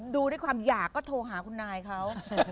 ดูด้วยความอยากก็โทรหาคุณนายเขา